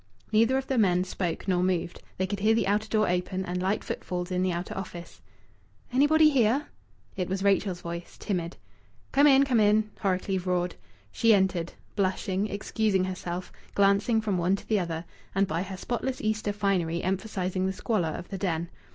Neither of the men spoke nor moved. They could hear the outer door open and light footfalls in the outer office. "Anybody here?" It was Rachel's voice, timid. "Come in, come in!" Horrocleave roared. She entered, blushing, excusing herself, glancing from one to the other, and by her spotless Easter finery emphasizing the squalor of the den.